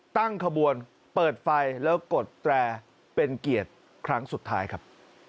ตั้งขบวนเปิดไฟแล้วกดแตรเป็นเกียรติครั้งสุดท้ายครับ